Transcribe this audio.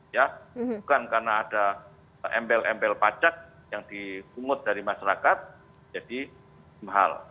ya bukan karena ada embel embel pajak yang dipungut dari masyarakat jadi mahal